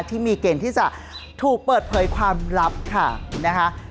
ที่มีเกณฑ์ที่จะถูกเปิดเผยความลับค่ะนะคะ